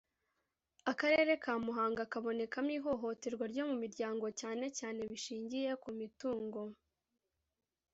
Akarere ka Muhanga kabonekamo ihohoterwa ryo mu miryango cyane cyane bishingiye ku mitungo